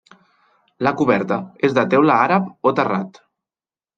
La coberta és de teula àrab o terrat.